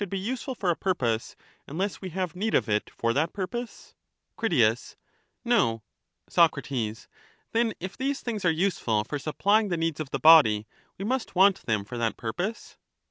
Eryxias. useful for a purpose unless we have need of it for that Socrates, purpose ? Critias. Qrit Nq Soc. Then if these things are useful for supplying the needs of the body, we must want them for that purpose?